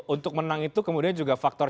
untuk menang itu kemudian juga faktor